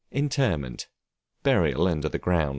Interment, burial under the ground.